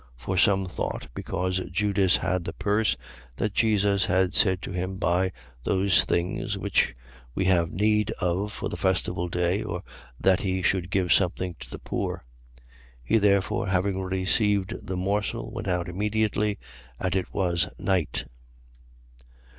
13:29. For some thought, because Judas had the purse, that Jesus had said to him: Buy those things which we have need of for the festival day: or that he should give something to the poor. 13:30. He therefore, having received the morsel, went out immediately. And it was night.